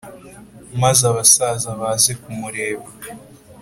maze abasaza baze kumureba